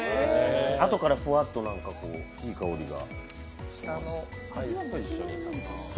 あとからふわっといい香りが。